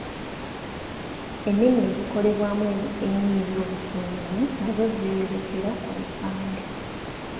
Ennimi ezikolebwamu ennyo eby'obusuubuzi nazo zeeyolekera ku bupande.